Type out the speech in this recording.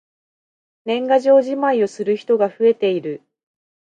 年賀状じまいをする人が増えている。